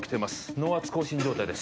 脳圧亢進状態です